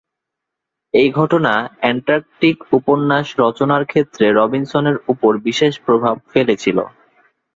এই ঘটনা "অ্যান্টার্কটিক" উপন্যাস রচনার ক্ষেত্রে রবিনসনের উপর বিশেষ প্রভাব ফেলেছিল।